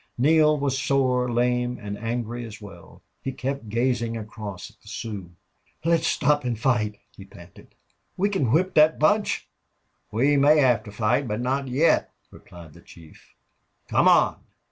Neale was sore, lame, and angry as well. He kept gazing across at the Sioux. "Let's stop and fight," he panted. "We can whip that bunch." "We may have to fight, but not yet," replied the chief. "Come on."